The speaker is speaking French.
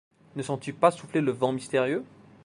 Ne sens-tu pas souffler le vent mystérieux?